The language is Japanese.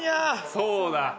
そうだ。